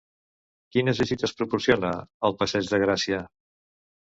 Quines vistes proporciona el passeig de Gràcia?